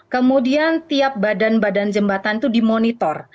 kemudian tiap badan badan jembatan itu dimonitor